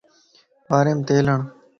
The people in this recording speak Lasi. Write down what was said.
واريم تيل ھڻ